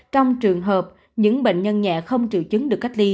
trong trường hợp những bệnh nhân nhẹ không triệu chứng được cách ly